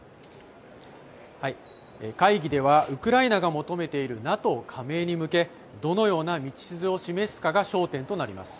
会議ではウクライナが求めているＮＡＴＯ加盟に向けどのような道筋を示すかが焦点となります。